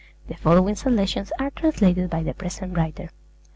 The following selections are translated by the present writer.